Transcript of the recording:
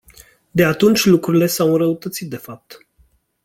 De atunci lucrurile s-au înrăutățit de fapt.